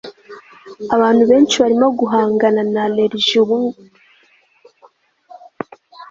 abantu benshi barimo guhangana na allergie ubu